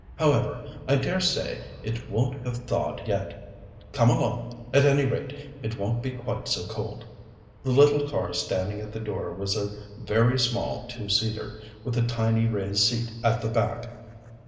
However, I dare say it won't have thawed yet. Come along. At any rate, it won't be quite so cold." The little car standing at the door was a very small two seater, with a tiny raised seat at the back.